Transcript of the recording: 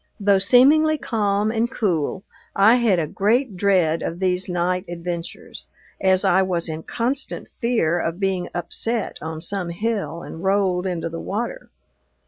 Though seemingly calm and cool, I had a great dread of these night adventures, as I was in constant fear of being upset on some hill and rolled into the water.